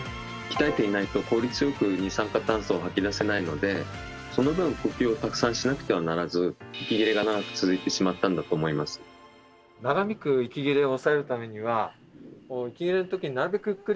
鍛えていないと効率よく二酸化炭素を吐き出せないのでその分呼吸をたくさんしなくてはならず息切れが長く続いてしまったんだと思います。でしょうね。ということで出た。